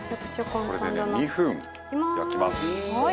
齊藤：これで２分、焼きます。